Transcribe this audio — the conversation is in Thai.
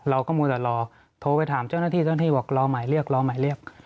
มัวแต่รอโทรไปถามเจ้าหน้าที่เจ้าหน้าที่บอกรอหมายเรียกรอหมายเรียก